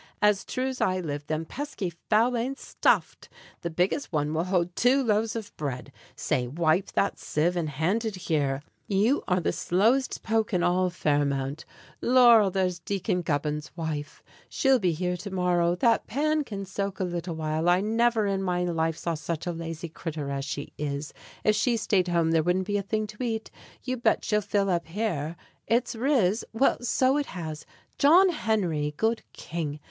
As true's I live Them pesky fowl ain't stuffed! The biggest one Will hold two loaves of bread. Say, wipe that sieve, And hand it here. You are the slowest poke In all Fairmount. Lor'! there's Deacon Gubben's wife! She'll be here to morrow. That pan can soak A little while. I never in my life Saw such a lazy critter as she is. If she stayed home, there wouldn't be a thing To eat. You bet she'll fill up here! "It's riz?" Well, so it has. John Henry! Good king!